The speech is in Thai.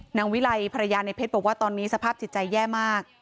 วิไลภรรยาในเพชรบอกว่าตอนนี้สภาพจิตใจแย่มาก